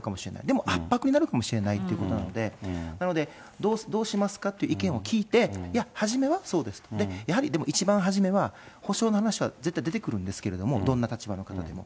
でも圧迫になるかもしれないということなので、なので、どうしますかって意見を聞いて、いや、初めはそうです、でもやはり一番初めは、補償の話は絶対出てくるんですけども、どんな立場の方でも。